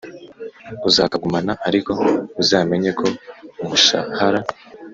uzakagumana ariko uzamenye ko umushahara